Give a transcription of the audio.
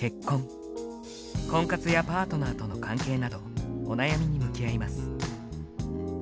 婚活やパートナーとの関係などお悩みに向き合います。